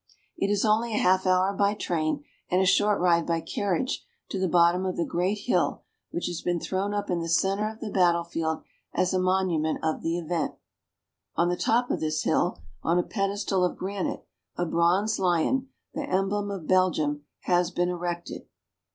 It is only a half hour by train and a short ride by carriage to the bottom of the great hill which has been thrown up in the center of the battlefield as a monument of the event. On the top of this hill, on a pedestal of granite, a bronze lion, the emblem of Belgium, has been erected.